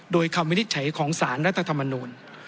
โดยคำวินิจฉัยของสารรัฐธรรมนูล